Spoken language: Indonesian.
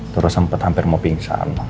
terus sempat hampir mau pingsan